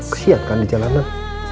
kesian kan di jalanan